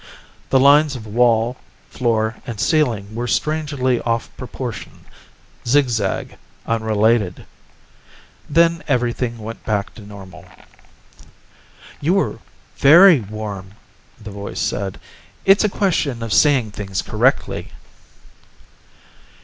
The lines of wall, floor and ceiling were strangely off proportion, zigzag, unrelated. Then everything went back to normal. "You were very warm," the voice said. "It's a question of seeing things correctly."